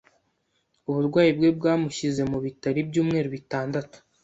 Uburwayi bwe bwamushyize mu bitaro ibyumweru bitandatu.